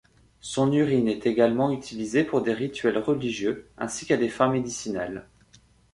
Son urine est également utilisée pour des rituels religieux, ainsi qu'à des fins médicinales.